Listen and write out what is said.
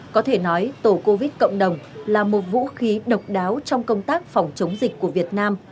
có thể nói tổ covid cộng đồng là một vũ khí độc đáo trong công tác phòng chống dịch của việt nam